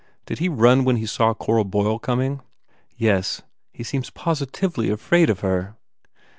Did he run when he saw Cora Boyle coming?" "Yes. He seems positively afraid of her!"